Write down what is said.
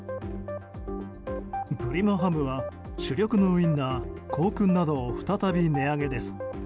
プリマハムは主力のウィンナー香薫などを再び値上げです。